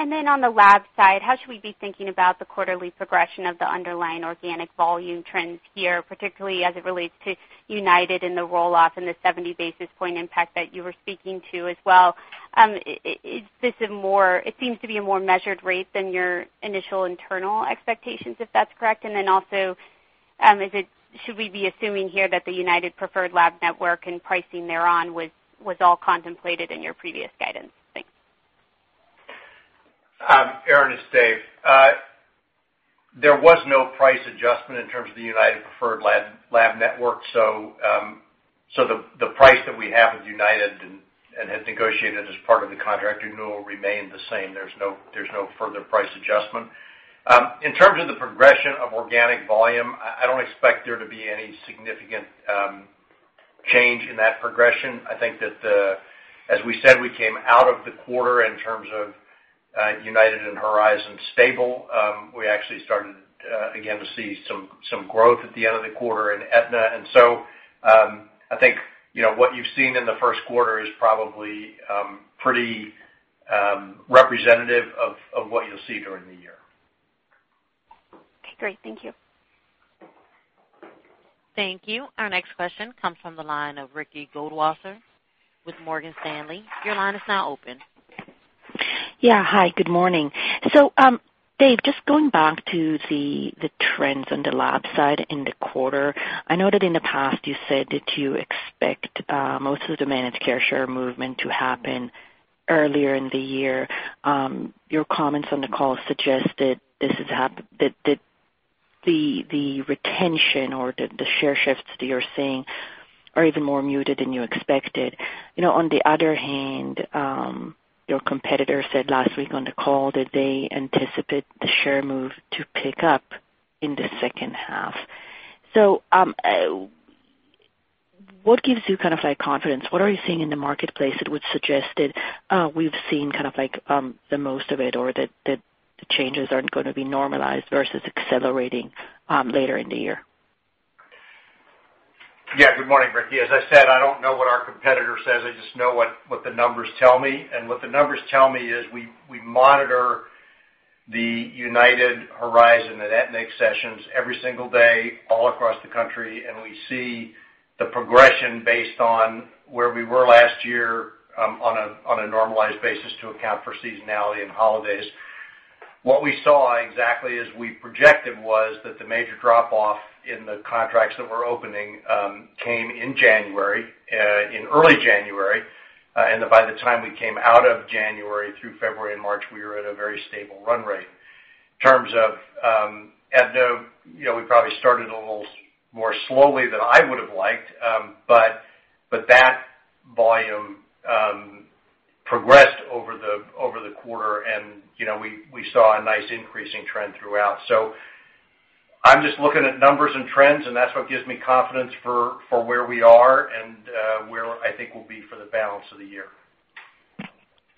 Then on the lab side, how should we be thinking about the quarterly progression of the underlying organic volume trends here, particularly as it relates to United and the roll-off and the 70 basis point impact that you were speaking to as well? It seems to be a more measured rate than your initial internal expectations, if that's correct. Then also, should we be assuming here that the United Preferred Lab Network and pricing thereon was all contemplated in your previous guidance? Thanks. Erin, it's Dave. There was no price adjustment in terms of the United Preferred Lab Network. The price that we have with United and had negotiated as part of the contract renewal remained the same. There's no further price adjustment. In terms of the progression of organic volume, I don't expect there to be any significant change in that progression. I think that, as we said, we came out of the quarter in terms of United and Horizon stable. We actually started again to see some growth at the end of the quarter in Aetna. I think what you've seen in the first quarter is probably pretty representative of what you'll see during the year. Okay, great. Thank you. Thank you. Our next question comes from the line of Ricky Goldwasser with Morgan Stanley. Your line is now open. Yeah. Hi, good morning. Dave, just going back to the trends on the lab side in the quarter. I know that in the past you said that you expect most of the managed care share movement to happen earlier in the year. Your comments on the call suggested that the retention or the share shifts that you're seeing are even more muted than you expected. On the other hand, your competitor said last week on the call that they anticipate the share move to pick up in the second half. What gives you confidence? What are you seeing in the marketplace that would suggest that we've seen the most of it or that the changes aren't going to be normalized versus accelerating later in the year? Yeah. Good morning, Ricky. As I said, I don't know what our competitor says. I just know what the numbers tell me, and what the numbers tell me is we monitor the United, Horizon, and Aetna exceptions every single day all across the country, and we see the progression based on where we were last year on a normalized basis to account for seasonality and holidays. What we saw exactly as we projected was that the major drop-off in the contracts that were opening came in early January, and by the time we came out of January through February and March, we were at a very stable run rate. In terms of Aetna, we probably started a little more slowly than I would have liked. That volume progressed over the quarter and we saw a nice increasing trend throughout. I'm just looking at numbers and trends, and that's what gives me confidence for where we are and where I think we'll be for the balance of the year.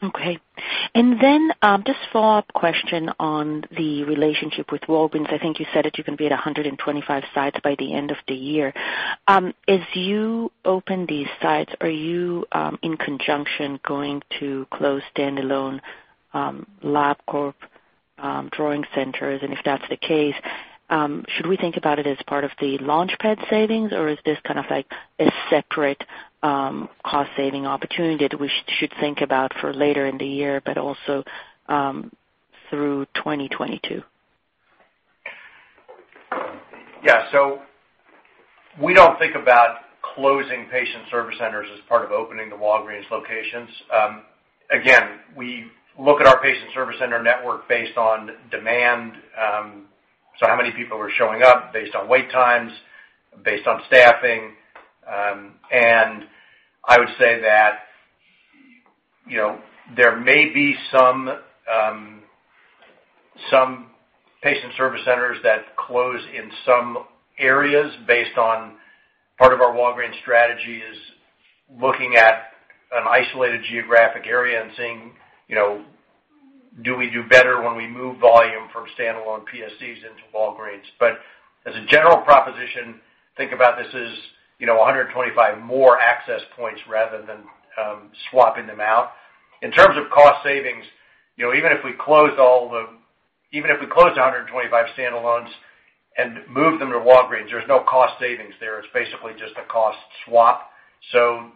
Just a follow-up question on the relationship with Walgreens. I think you said that you're going to be at 125 sites by the end of the year. As you open these sites, are you, in conjunction, going to close standalone Labcorp drawing centers? If that's the case, should we think about it as part of the LaunchPad savings, or is this a separate cost-saving opportunity that we should think about for later in the year but also through 2022? We don't think about closing Patient Service Centers as part of opening the Walgreens locations. We look at our Patient Service Center network based on demand. How many people are showing up based on wait times, based on staffing. I would say that there may be some Patient Service Centers that close in some areas based on part of our Walgreens strategy is looking at an isolated geographic area and seeing, do we do better when we move volume from standalone PSCs into Walgreens. As a general proposition, think about this as 125 more access points rather than swapping them out. In terms of cost savings, even if we closed 125 standalones and moved them to Walgreens, there's no cost savings there. It's basically just a cost swap. You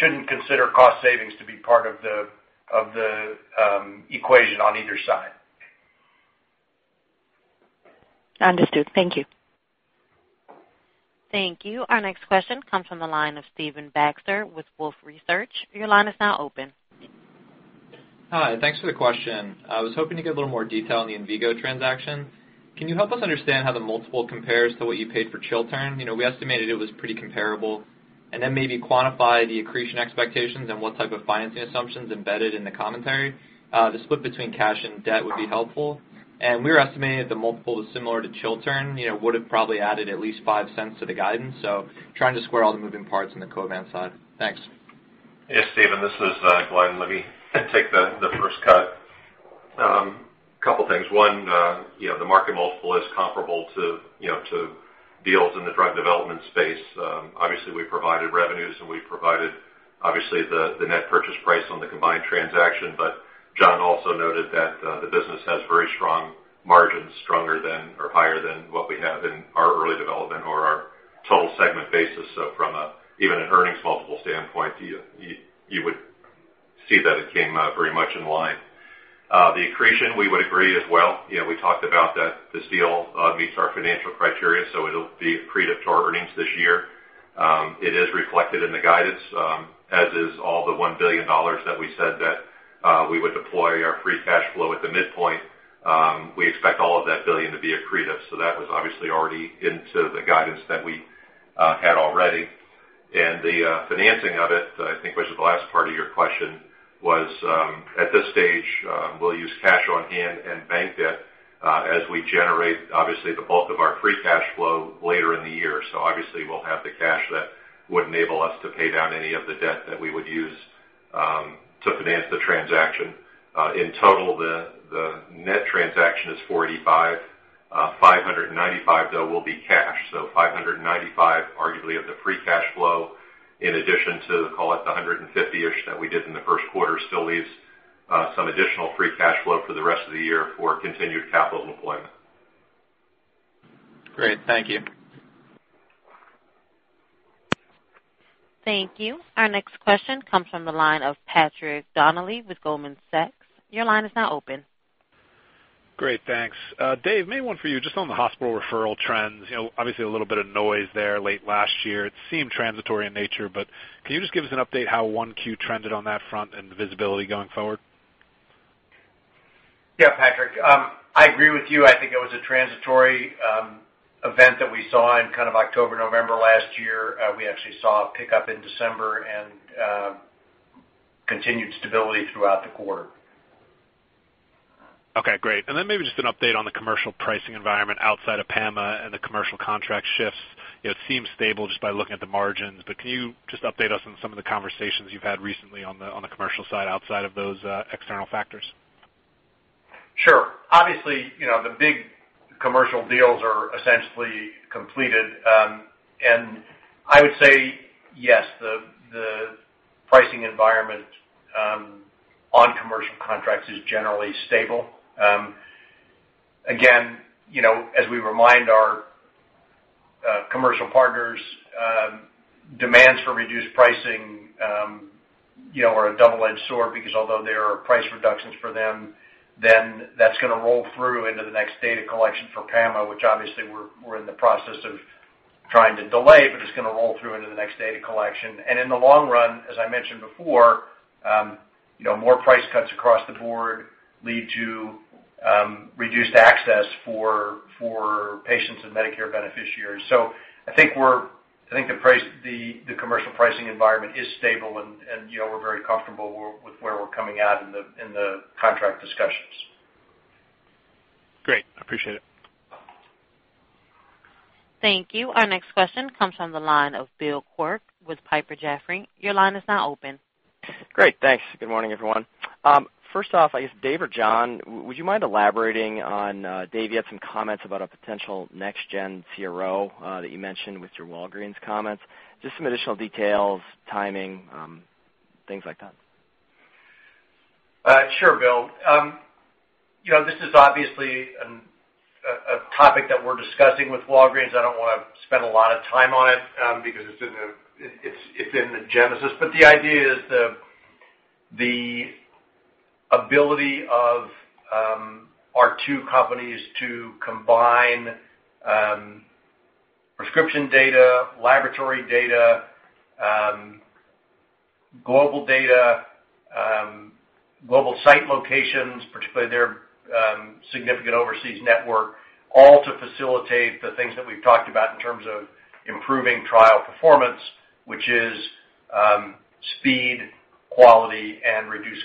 shouldn't consider cost savings to be part of the equation on either side. Understood. Thank you. Thank you. Our next question comes from the line of Stephen Baxter with Wolfe Research. Your line is now open. Hi, thanks for the question. I was hoping to get a little more detail on the Envigo transaction. Can you help us understand how the multiple compares to what you paid for Chiltern? We estimated it was pretty comparable. Maybe then quantify the accretion expectations and what type of financing assumptions embedded in the commentary. The split between cash and debt would be helpful. We were estimating that the multiple is similar to Chiltern, would've probably added at least $0.05 to the guidance. Trying to square all the moving parts on the Covance side. Thanks. Yes, Stephen, this is Glenn. Let me take the first cut. Couple things. One, the market multiple is comparable to deals in the drug development space. Obviously, we've provided revenues, and we've provided, obviously, the net purchase price on the combined transaction, but John also noted that the business has very strong margins, stronger than or higher than what we have in our early development or our total segment basis. From even an earnings multiple standpoint, you would see that it came out very much in line. The accretion, we would agree as well. We talked about that this deal meets our financial criteria, so it'll be accretive to our earnings this year. It is reflected in the guidance, as is all the $1 billion that we said that we would deploy our free cash flow at the midpoint. We expect all of that billion to be accretive, that was obviously already into the guidance that we had already. The financing of it, I think, which is the last part of your question, was, at this stage, we'll use cash on hand and bank debt as we generate, obviously, the bulk of our free cash flow later in the year. Obviously, we'll have the cash that would enable us to pay down any of the debt that we would use to finance the transaction. In total, the net transaction is $45. $595, though, will be cash. $595 arguably of the free cash flow, in addition to, call it the $150-ish that we did in the first quarter, still leaves some additional free cash flow for the rest of the year for continued capital deployment. Great. Thank you. Thank you. Our next question comes from the line of Patrick Donnelly with Goldman Sachs. Your line is now open. Great, thanks. Dave, maybe one for you. Just on the hospital referral trends, obviously a little bit of noise there late last year. It seemed transitory in nature, can you just give us an update how 1Q trended on that front and the visibility going forward? Yeah, Patrick. I agree with you. I think it was a transitory event that we saw in October, November last year. We actually saw a pickup in December and continued stability throughout the quarter. Okay, great. Maybe just an update on the commercial pricing environment outside of PAMA and the commercial contract shifts. It seems stable just by looking at the margins, can you just update us on some of the conversations you've had recently on the commercial side outside of those external factors? Sure. Obviously, the big commercial deals are essentially completed. I would say yes, the pricing environment on commercial contracts is generally stable. Again, as we remind our commercial partners, demands for reduced pricing are a double-edged sword because although there are price reductions for them, that's going to roll through into the next data collection for PAMA, which obviously we're in the process of trying to delay, it's going to roll through into the next data collection. In the long run, as I mentioned before, more price cuts across the board lead to reduced access for patients and Medicare beneficiaries. I think the commercial pricing environment is stable, and we're very comfortable with where we're coming out in the contract discussions. Great. Appreciate it. Thank you. Our next question comes from the line of Bill Quirk with Piper Jaffray. Your line is now open. Great. Thanks. Good morning, everyone. First off, I guess Dave or John, would you mind elaborating on, Dave, you had some comments about a potential next-gen CRO that you mentioned with your Walgreens comments. Just some additional details, timing, things like that. Sure, Bill. This is obviously a topic that we're discussing with Walgreens. I don't want to spend a lot of time on it because it's in the genesis. The idea is the ability of our two companies to combine prescription data, laboratory data, global data, global site locations, particularly their significant overseas network, all to facilitate the things that we've talked about in terms of improving trial performance, which is speed, quality, and reduced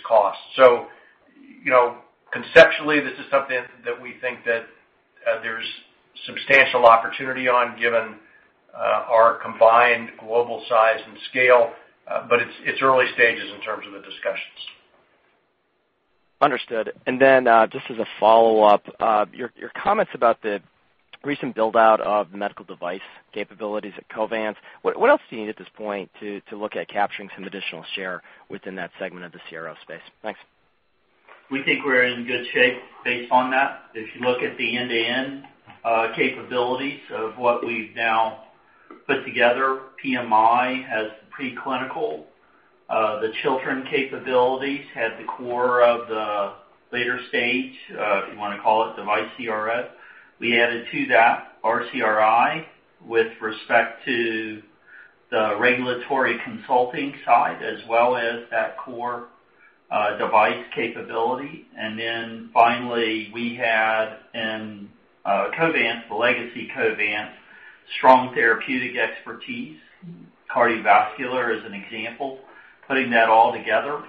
cost. Conceptually, this is something that we think that there's substantial opportunity on given our combined global size and scale. It's early stages in terms of the discussions. Understood. Just as a follow-up, your comments about the recent build-out of medical device capabilities at Covance, what else do you need at this point to look at capturing some additional share within that segment of the CRO space? Thanks. We think we're in good shape based on that. If you look at the end-to-end capabilities of what we've now put together, PMI has pre-clinical. The Chiltern capabilities had the core of the later stage, if you want to call it, device CROs. We added to that RCRI with respect to the regulatory consulting side, as well as that core Device capability. Finally, we had in Covance, the legacy Covance, strong therapeutic expertise. Cardiovascular is an example. Putting that all together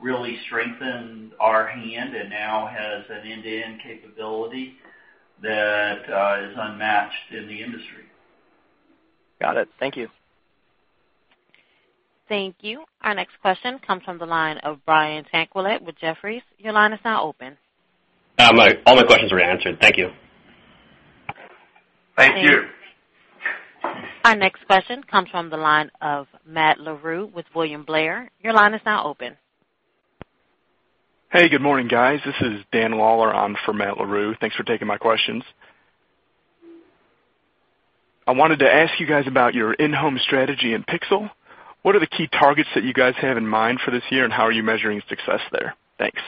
really strengthened our hand and now has an end-to-end capability that is unmatched in the industry. Got it. Thank you. Thank you. Our next question comes from the line of Brian Tanquilut with Jefferies. Your line is now open. No, all my questions were answered. Thank you. Thank you. Our next question comes from the line of Matt Larew with William Blair. Your line is now open. Hey, good morning, guys. This is Dan Waller on for Matt Larew. Thanks for taking my questions. I wanted to ask you guys about your in-home strategy and Pixel. What are the key targets that you guys have in mind for this year, and how are you measuring success there? Thanks.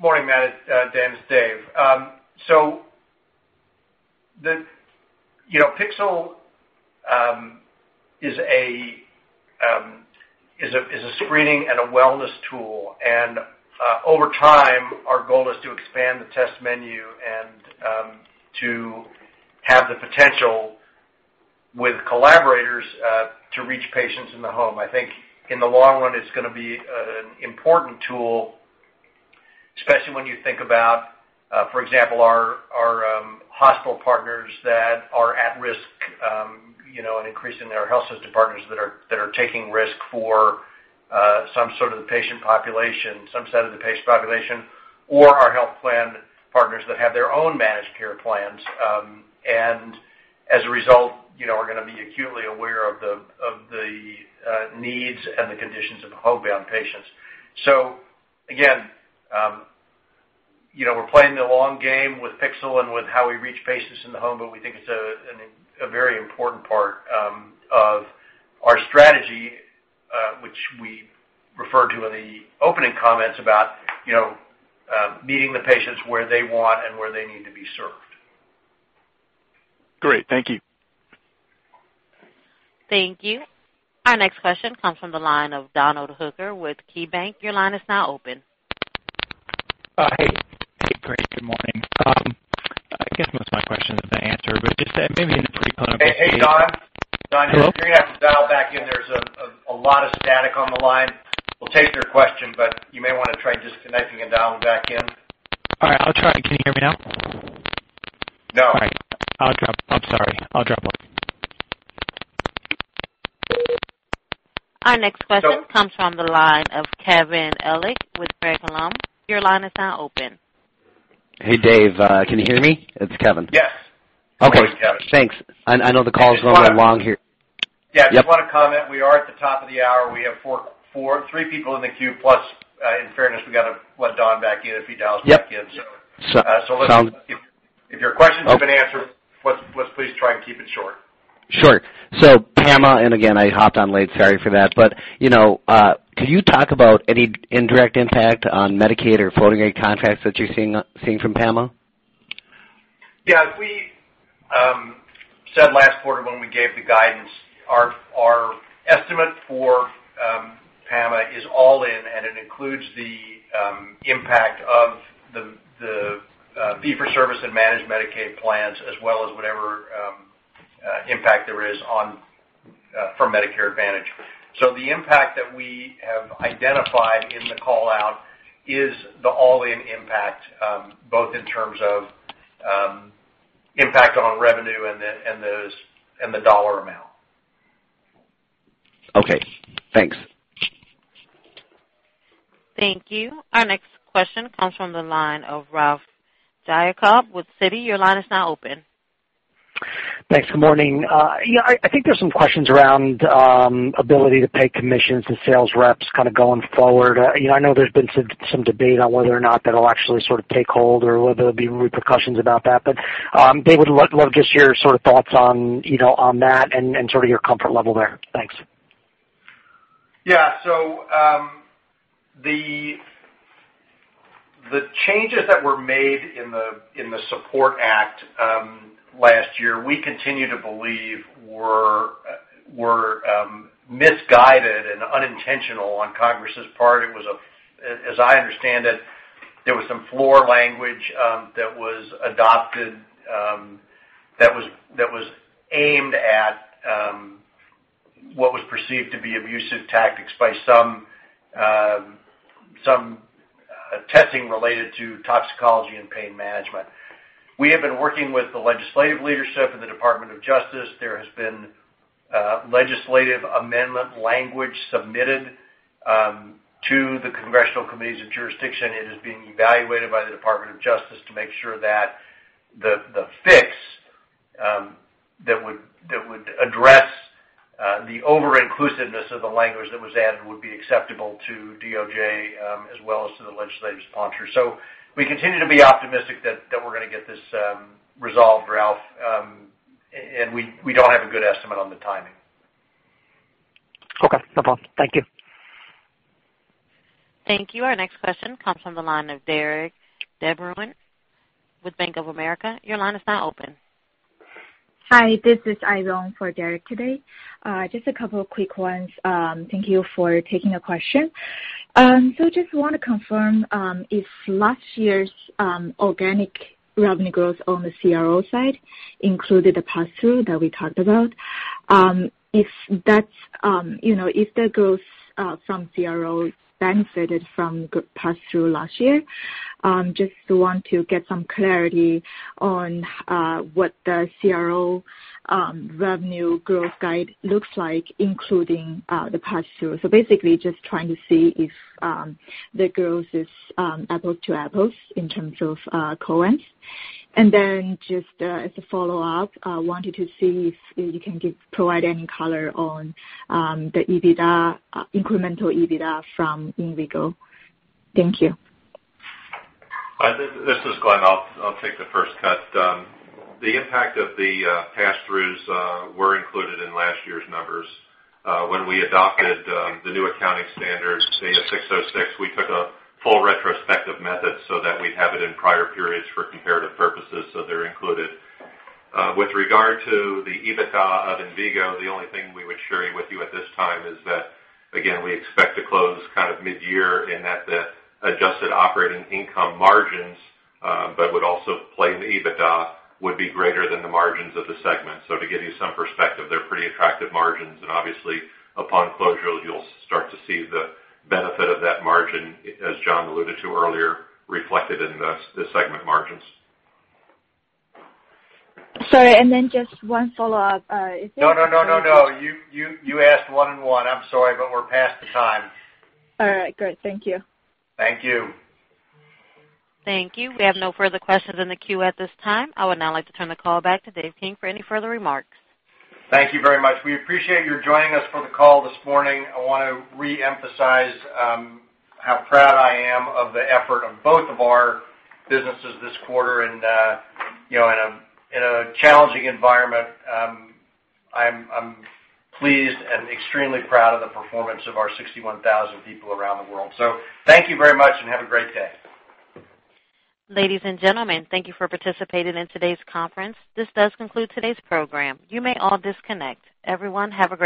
Morning, Dan. It's Dave. Pixel is a screening and a wellness tool, and over time, our goal is to expand the test menu and to have the potential with collaborators, to reach patients in the home. I think in the long run, it's going to be an important tool, especially when you think about, for example, our hospital partners that are at risk, and increasing their health system partners that are taking risk for some sort of the patient population, some set of the patient population or our health plan partners that have their own managed care plans. As a result, we're going to be acutely aware of the needs and the conditions of homebound patients. Again, we're playing the long game with Pixel and with how we reach patients in the home, but we think it's a very important part of our strategy, which we referred to in the opening comments about meeting the patients where they want and where they need to be served. Great. Thank you. Thank you. Our next question comes from the line of Donald Hooker with KeyBanc. Your line is now open. Hey. Great. Good morning. I guess most of my questions have been answered. Hey, Don. Don, you're gonna have to dial back in. There's a lot of static on the line. We'll take your question. You may want to try disconnecting and dialing back in. All right, I'll try. Can you hear me now? No. All right. I'm sorry. I'll drop off. Our next question comes from the line of Kevin Ellich with Craig-Hallum. Your line is now open. Hey, Dave, can you hear me? It's Kevin. Yes. Okay. How are you, Kevin? Thanks. I know the call is a little bit long here. Just want to comment, we are at the top of the hour. We have three people in the queue, plus, in fairness, we got to let Don back in if he dials back in. Yep. If your question's been answered, let's please try and keep it short. Sure. PAMA, and again, I hopped on late, sorry for that. Can you talk about any indirect impact on Medicaid or private contracts that you're seeing from PAMA? Yeah. As we said last quarter when we gave the guidance, our estimate for PAMA is all in, and it includes the impact of the fee for service and managed Medicaid plans, as well as whatever impact there is for Medicare Advantage. The impact that we have identified in the call-out is the all-in impact, both in terms of impact on revenue and the dollar amount. Okay, thanks. Thank you. Our next question comes from the line of Ralph Giacobbe with Citi. Your line is now open. Thanks. Good morning. I think there's some questions around ability to pay commissions to sales reps going forward. I know there's been some debate on whether or not that'll actually take hold or whether there'll be repercussions about that. Dave, would love just your thoughts on that and sort of your comfort level there. Thanks. Yeah. The changes that were made in the SUPPORT Act last year, we continue to believe were misguided and unintentional on Congress's part. As I understand it, there was some floor language that was adopted, that was aimed at what was perceived to be abusive tactics by some testing related to toxicology and pain management. We have been working with the legislative leadership and the Department of Justice. There has been legislative amendment language submitted to the congressional committees of jurisdiction. It is being evaluated by the Department of Justice to make sure that the fix that would address the over-inclusiveness of the language that was added would be acceptable to DOJ, as well as to the legislative sponsors. We continue to be optimistic that we're gonna get this resolved, Ralph. We don't have a good estimate on the timing. Okay. No problem. Thank you. Thank you. Our next question comes from the line of Derik de Bruin with Bank of America. Your line is now open. Hi, this is Aizong for Derik today. Just a couple of quick ones. Thank you for taking a question. Just want to confirm if last year's organic revenue growth on the CRO side included the pass-through that we talked about. If the growth from CRO benefited from pass-through last year, just want to get some clarity on what the CRO revenue growth guide looks like, including the pass-through. Basically just trying to see if the growth is apples to apples in terms of coins. Just as a follow-up, wanted to see if you can provide any color on the incremental EBITDA from Envigo. Thank you. This is Glenn. I'll take the first cut. The impact of the pass-throughs were included in last year's numbers. When we adopted the new accounting standards, ASC 606, we took a full retrospective method that we'd have it in prior periods for comparative purposes, so they're included. With regard to the EBITDA of Envigo, the only thing we would share with you at this time is that, again, we expect to close kind of mid-year and that the adjusted operating income margins, but would also play to the EBITDA, would be greater than the margins of the segment. To give you some perspective, they're pretty attractive margins, and obviously upon closure you'll start to see the benefit of that margin, as John alluded to earlier, reflected in the segment margins. Sorry, just one follow-up. No, you asked one and one. I'm sorry, we're past the time. All right, great. Thank you. Thank you. Thank you. We have no further questions in the queue at this time. I would now like to turn the call back to Dave King for any further remarks. Thank you very much. We appreciate your joining us for the call this morning. I want to reemphasize how proud I am of the effort of both of our businesses this quarter. In a challenging environment, I'm pleased and extremely proud of the performance of our 61,000 people around the world. Thank you very much and have a great day. Ladies and gentlemen, thank you for participating in today's conference. This does conclude today's program. You may all disconnect. Everyone have a great day.